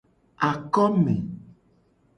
Akome.